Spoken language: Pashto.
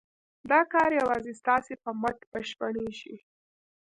دا کار یوازې ستاسو په مټ بشپړېږي.